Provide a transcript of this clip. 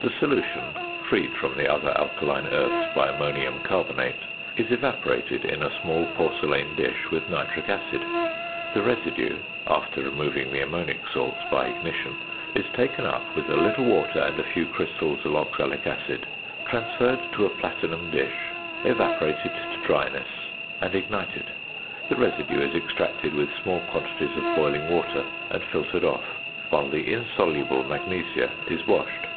The solution (freed from the other alkaline earths by ammonium carbonate) is evaporated in a small porcelain dish with nitric acid. The residue (after removing the ammonic salts by ignition) is taken up with a little water and a few crystals of oxalic acid, transferred to a platinum dish, evaporated to dryness, and ignited. The residue is extracted with small quantities of boiling water and filtered off; while the insoluble magnesia is washed.